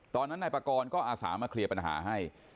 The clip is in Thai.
ตอนนั้นนายปากรก็อาสามาเคลียร์ปัญหาให้